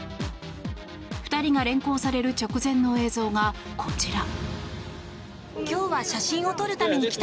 ２人が連行される直前の映像がこちら。